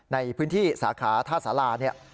ในพื้นที่สาขาท่าสาราเนี่ย